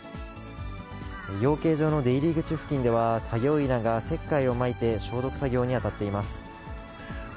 養鶏場の出入り口付近では、作業員らが石灰をまいて、消毒作業に当たっています。